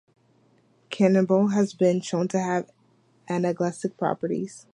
Cannabinol has been shown to have analgesic properties.